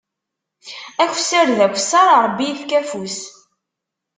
Akessar d akessar, Ṛebbi ifka afus.